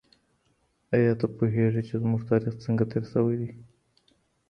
ايا ته پوهېږې چي زموږ تاريخ څنګه تېر شوی دی؟